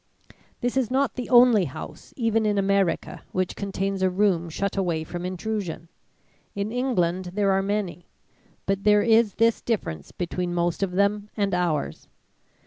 This is not the only house, even in America, which contains a room shut away from intrusion. In England there are many. But there is this difference between most of them and ours.